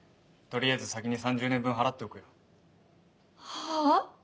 とりあえず先に３０年分払っておくよはぁ？